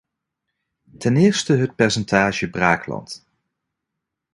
Ten eerste het percentage braakland.